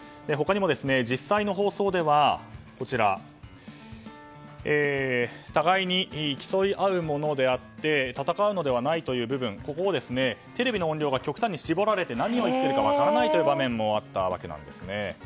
他にも、実際の放送では互いに競い合うものであって戦うのではないという部分ここをテレビの音量が極端に絞られて何を言っているか分からないという場面もあったわけなんです。